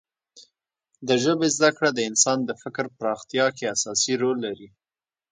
د ژبې زده کړه د انسان د فکر پراختیا کې اساسي رول لري.